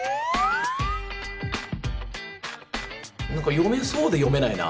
何か読めそうで読めないな。